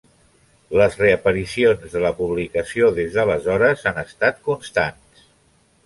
Les reaparicions de la publicació des d'aleshores han estat constants.